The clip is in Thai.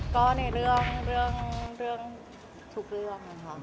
ก็ในเรื่องทุกเรื่องนะคะ